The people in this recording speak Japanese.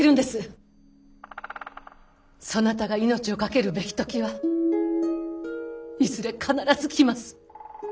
そなたが命を懸けるべき時はいずれ必ず来ます。